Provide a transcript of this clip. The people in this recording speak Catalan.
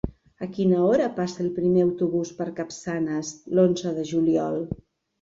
A quina hora passa el primer autobús per Capçanes l'onze de juliol?